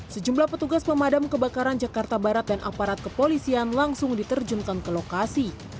sejumlah petugas pemadam kebakaran jakarta barat dan aparat kepolisian langsung diterjunkan ke lokasi